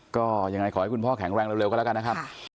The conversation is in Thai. ก็ยังไงขอให้คุณพ่อแข็งแรงเร็วก็แล้วกันนะครับ